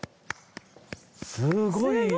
すごい！